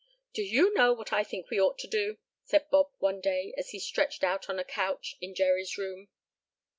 "Do you know what I think we ought to do?" said Bob one day, as he stretched out on a couch in Jerry's room.